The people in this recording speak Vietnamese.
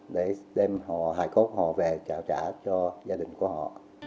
để đem họ hải quốc họ về trả trả cho gia đình của họ